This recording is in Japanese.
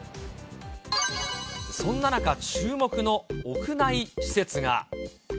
そんな中、注目の屋内施設が。